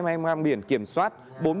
mà em em đang biển kiểm soát